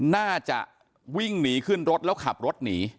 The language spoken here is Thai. น่าจะวิ่งหนีขึ้นรถแล้วขับรถหนี